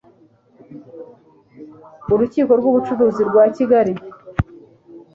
urukiko rwubucuruzi rwa kigali